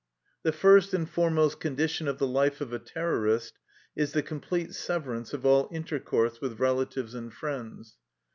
The first and foremost condition of the life of a terrorist is the complete severance of all in tercourse with relatives and friends.